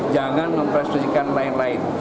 jangan mempercayai lain lain